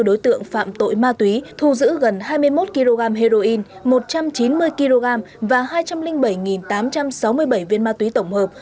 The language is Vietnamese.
hai bảy trăm linh bốn đối tượng phạm tội ma túy thu giữ gần hai mươi một kg heroin một trăm chín mươi kg và hai trăm linh bảy tám trăm sáu mươi bảy viên ma túy tổng hợp